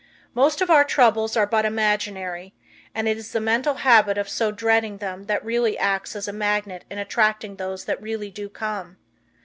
Most of our troubles are but imaginary, and it is the mental habit of so dreading them that really acts as a magnet in attracting those that really do come.